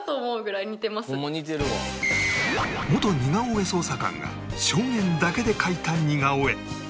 元似顔絵捜査官が証言だけで描いた似顔絵